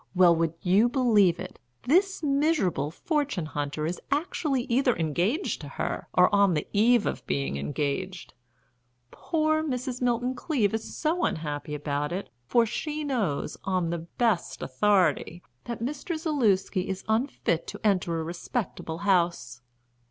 Well, would you believe it, this miserable fortune hunter is actually either engaged to her or on the eve of being engaged! Poor Mrs. Milton Cleave is so unhappy about it, for she knows, on the best authority, that Mr. Zaluski is unfit to enter a respectable house."